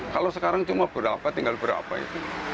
kalau sekarang cuma berapa tinggal berapa itu